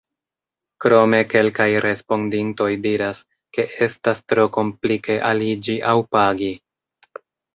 Krome kelkaj respondintoj diras, ke estas tro komplike aliĝi aŭ pagi.